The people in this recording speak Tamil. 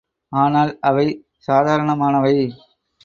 ஆனால், அவை சாதாரணமானவை.